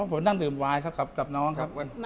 ผมนั่งดื่มวายครับกับน้องครับ